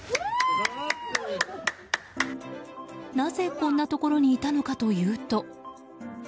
なぜ、こんなところにいたのかというと。